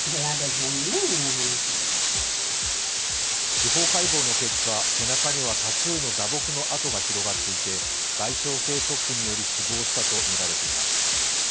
司法解剖の結果、背中には多数の打撲の痕が広がっていて外傷性ショックにより死亡したとみられています。